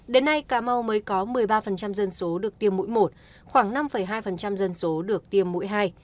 đến nay cà mau mới có một mươi ba dân số được tiêm mũi một khoảng năm hai dân số được tiêm mũi hai